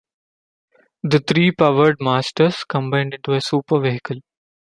The three Powered Masters combined into a super vehicle.